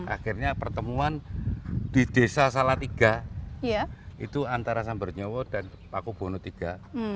akhirnya pertemuan di desa salatiga itu antara sabernyawa dan paku buwono iii